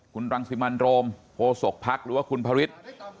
คุณรังสิมันโรมโคศกภักดิ์หรือว่าคุณพระฤทธิ์